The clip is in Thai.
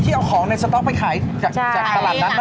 ที่เอาของในสต๊อกไปขายจากตลาดนั้นเหรอใช่